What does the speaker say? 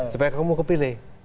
supaya kamu kepilih